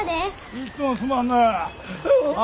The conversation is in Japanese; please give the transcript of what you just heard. いつもすまんなあ。